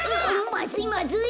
まずいまずい。